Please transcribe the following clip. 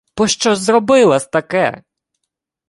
— Пощо зробила-с таке?